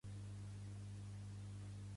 El gros gos ros no vol l'os tot sol